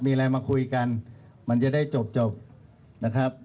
มีอะไรมาคุยกันมันจะได้จบนะครับ